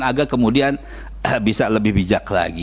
dan juga pengawalan yang lebih bijak